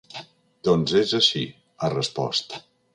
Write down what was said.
Doncs és així, ha respost.